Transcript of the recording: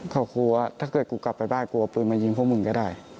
เขากลัวถ้าเกิดกูกลับไปบ้านกลัวเอาปืนมายิงพวกมึงก็ได้